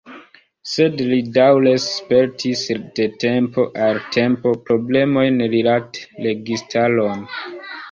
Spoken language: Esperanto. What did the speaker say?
Sed li daŭre spertis, de tempo al tempo, problemojn rilate registaron.